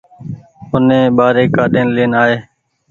اوني ٻآري ڪآڏين لين آئي